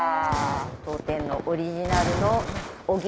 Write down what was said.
当店のオリジナルの小木